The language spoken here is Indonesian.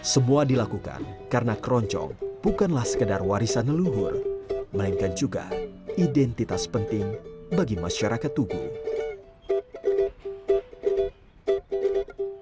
semua dilakukan karena keroncong bukanlah sekedar warisan leluhur melainkan juga identitas penting bagi masyarakat tugu